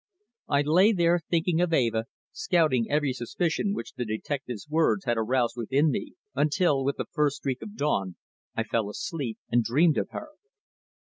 I lay there thinking of Eva, scouting every suspicion which the detective's words had aroused within me, until with the first streak of dawn I fell asleep and dreamed of her.